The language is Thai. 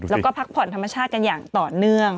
แล้วก็พักผ่อนธรรมชาติกันอย่างต่อเนื่อง